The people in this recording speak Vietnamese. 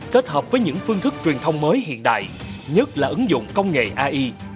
kết hợp với những phương thức truyền thông mới hiện đại nhất là ứng dụng công nghệ ai